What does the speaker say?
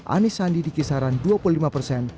anies sandi di kisaran dua puluh lima persen